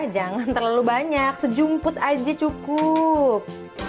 jangan terlalu banyak sejumput aja cukup